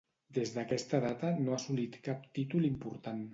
Des d'aquesta data no ha assolit cap títol important.